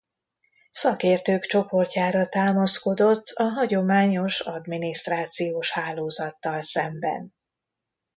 Szakértők csoportjára támaszkodott a hagyományos adminisztrációs hálózattal szemben.